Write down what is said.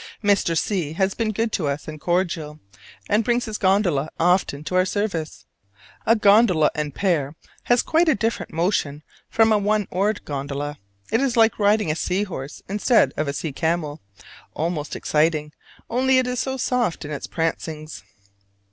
Mr. C has been good to us and cordial, and brings his gondola often to our service. A gondola and pair has quite a different motion from a one oared gondola; it is like riding a seahorse instead of a sea camel almost exciting, only it is so soft in its prancings.